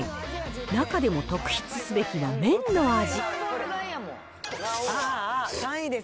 中でも特筆すべきは麺の味。